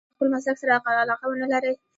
نو که له خپل مسلک سره علاقه ونه لرئ.